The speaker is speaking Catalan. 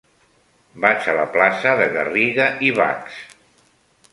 Vaig a la plaça de Garriga i Bachs.